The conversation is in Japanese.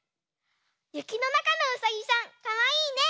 ゆきのなかのうさぎさんかわいいね！